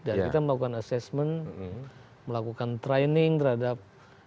dan kita melakukan assessment melakukan training terhadap